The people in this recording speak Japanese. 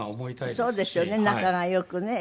そうですよね仲が良くね。